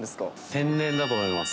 天然だと思います。